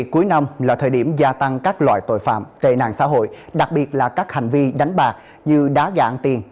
cuối năm là thời điểm gia tăng các loại tội phạm tệ nạn xã hội đặc biệt là các hành vi đánh bạc như đá gà ăn tiền